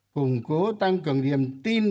củng cố tăng cường điểm tin